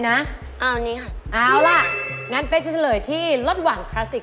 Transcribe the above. งั้นเป๊กจะเฉลยที่รสหวั่งคลาสสิค